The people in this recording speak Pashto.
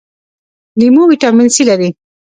لیمو ویټامین سي لري